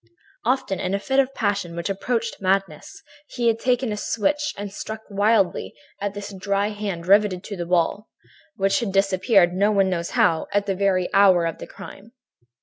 "Often, in a fit of passion which approached madness, he had taken a switch and struck wildly at this dried hand riveted to the wall, and which had disappeared, no one knows how, at the very hour of the crime.